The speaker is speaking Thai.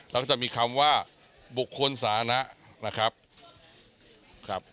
แล้วก็จะมีคำว่าบุคคลสานะนะครับ